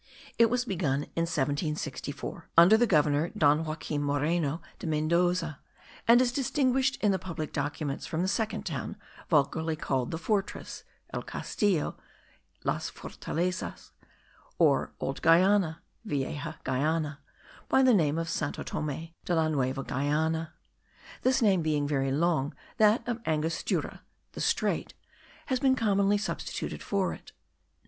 It was begun in 1764, under the Governor Don Joacquin Moreno de Mendoza, and is distinguished in the public documents from the second town, vulgarly called the fortress (el castillo, las fortalezas), or Old Guayana (Vieja Guayana), by the name of Santo Thome de la Nueva Guayana. This name being very long, that of Angostura* (the strait) has been commonly substituted for it.